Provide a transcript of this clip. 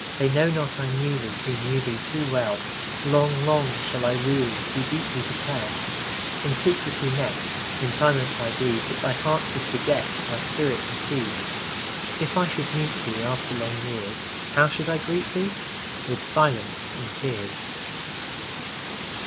They know not I knew theeWho knew thee too well:Long, long shall I rue theeToo deeply to tell.In secret we met:In silence I grieveThat thy heart could forget, Thy spirit deceive. If I should meet theeAfter long years, How should I greet thee?—With silence and tears.